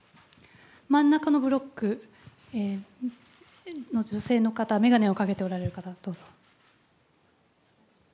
真ん中のブロックの女性の方、眼鏡をかけておられる方、どうぞ。